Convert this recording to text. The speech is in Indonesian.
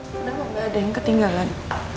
kenapa nggak ada yang ketinggalan